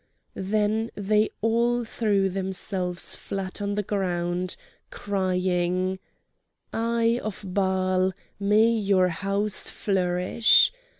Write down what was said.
Then they all threw themselves flat on the ground, crying: "Eye of Baal, may your house flourish!"